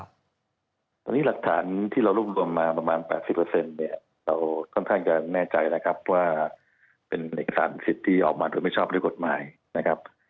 อันนี้หลักฐานที่เรารวบรวมมาประมาณ๘๐เนี่ยเราค่อนข้างจะแน่ใจแล้วครับว่าเป็นเอกสารสิทธิ์ที่ออกมาโดยไม่ชอบด้วยกฎหมายนะครับ